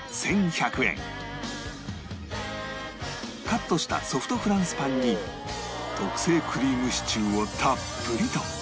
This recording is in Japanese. カットしたソフトフランスパンに特製クリームシチューをたっぷりと